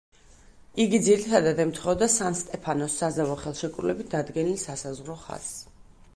იგი ძირითადად ემთხვეოდა სან-სტეფანოს საზავო ხელშეკრულებით დადგენილ სასაზღვრო ხაზს.